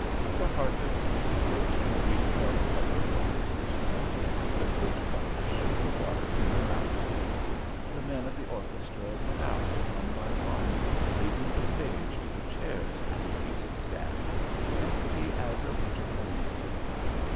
The harpist slipped the green felt cover over his instrument; the flute players shook the water from their mouthpieces; the men of the orchestra went out one by one, leaving the stage to the chairs and music stands, empty as a winter cornfield.